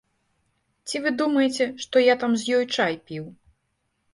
Ці вы думаеце, што я там з ёй чай піў?